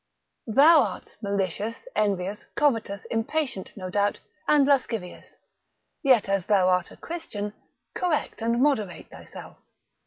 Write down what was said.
Thou art malicious, envious, covetous, impatient, no doubt, and lascivious, yet as thou art a Christian, correct and moderate thyself.